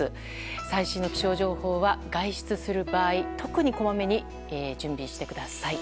最新の気象情報は外出する場合特に、こまめに準備してください。